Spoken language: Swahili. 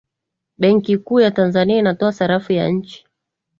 benki kuu ya tanzania inatoa sarafu ya nchi